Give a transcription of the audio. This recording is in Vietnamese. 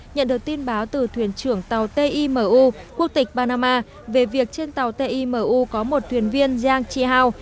nhận được tin báo từ thuyền trưởng tàu timu quốc tịch panama về việc trên tàu timu có một thuyền viên giang chi hao